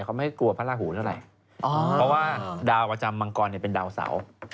เขาไม่กลัวพระราหูเท่าไหร่เพราะว่าดาวประจำมังกรเป็นดาวเสา